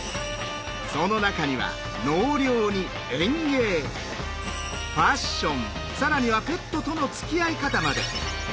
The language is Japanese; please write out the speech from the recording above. その中には納涼に園芸ファッション更にはペットとのつきあい方まで。